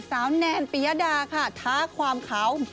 ซาวแนนปิยดาค่ะทาความขาว